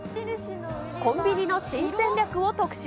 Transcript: コンビニの新戦略を特集。